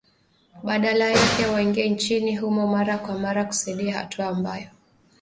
badala yake waingie nchini humo mara kwa mara kusaidia hatua ambayo